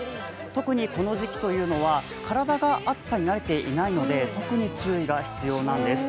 特にこの時期というのは体が暑さに慣れていないので特に注意が必要なんです。